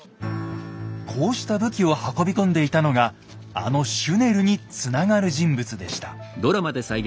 こうした武器を運び込んでいたのがあのシュネルにつながる人物でした。